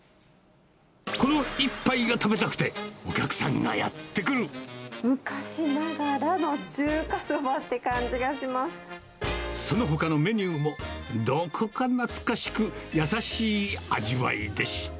この一杯が食べたくて、昔ながらの中華そばって感じそのほかのメニューも、どこか懐かしく、優しい味わいでして。